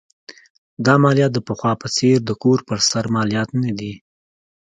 دا مالیات د پخوا په څېر د کور پر سر مالیات نه دي.